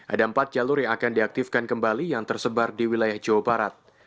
ada empat jalur yang akan diaktifkan kembali yang tersebar di wilayah jawa barat